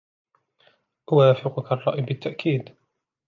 أوافقك الرأي بالتأكيد.